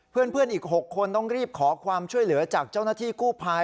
เพื่อนอีก๖คนต้องรีบขอความช่วยเหลือจากเจ้าหน้าที่กู้ภัย